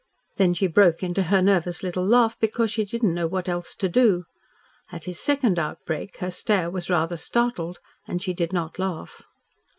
Then she broke into her nervous little laugh, because she did not know what else to do. At his second outbreak her stare was rather startled and she did not laugh.